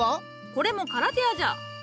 これもカラテアじゃ。